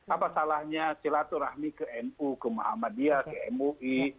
apa salahnya silaturahmi ke nu ke muhammadiyah ke mui